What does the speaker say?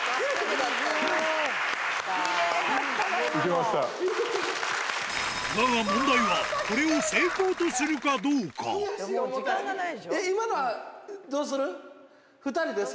だが問題は、これを成功とすえっ、今のはどうする？